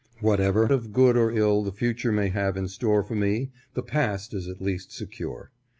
Whatever of good or ill the future may have in store for me, the past at least is secure.